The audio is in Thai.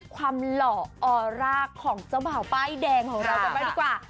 ความหล่ออร่าของเจ้าบ่าวป้ายแดงของเรากลับไปดีกว่า